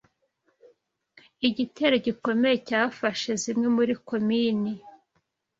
Igitero gikomeye cyafashe zimwe muri komini